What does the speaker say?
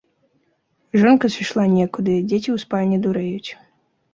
Жонка сышла некуды, дзеці ў спальні дурэюць.